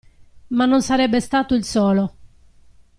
Ma non sarebbe stato il solo!